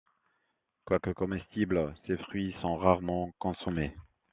Quoique comestibles, ses fruits sont rarement consommés.